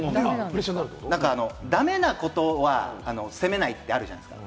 駄目なことは責めないってあるじゃないですか。